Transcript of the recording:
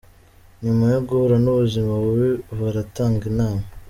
Nyuma yo guhura n’ubuzima bubi baratanga inama .